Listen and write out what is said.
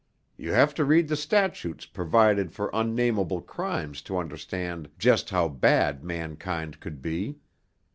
You have to read the statutes provided for unnamable crimes to understand just how bad mankind could be.